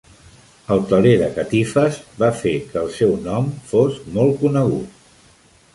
El teler de catifes va fer que el seu nom fos molt conegut.